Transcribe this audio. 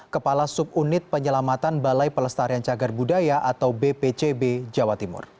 kepala subunit penyelamatan balai pelestarian cagar budaya atau bpcb jawa timur